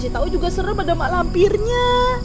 ini juga serem ada malam pirnya